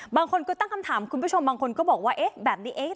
บางคนก็ตั้งคำถามคุณผู้ชมบางคนก็บอกว่าเอ๊ะแบบนี้เอง